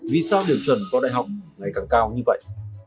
vì sao điểm chuẩn vào đại học ngày càng cao như vậy